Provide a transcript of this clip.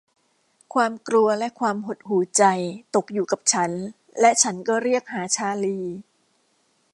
ความกลัวและความหดหู่ใจตกอยู่กับฉันและฉันก็เรียกหาชาร์ลี